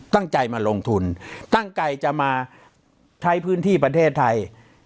ตั้งใจมาลงทุนตั้งใจจะมาใช้พื้นที่ประเทศไทย